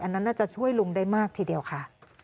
น่าจะช่วยลุงได้มากทีเดียวค่ะ